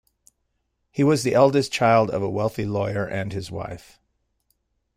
He was the eldest child of a wealthy lawyer and his wife.